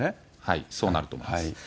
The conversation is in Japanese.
そうなると思います。